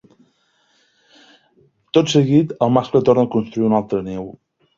Tot seguit, el mascle torna a construir un altre niu.